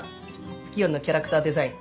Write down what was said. ツキヨンのキャラクターデザイン